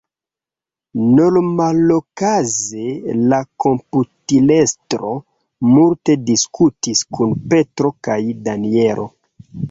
Normalokaze la komputilestro multe diskutis kun Petro kaj Danjelo.